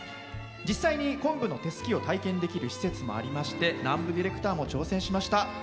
実際に昆布の手すきを体験できる施設がありまして南部ディレクターも挑戦しました。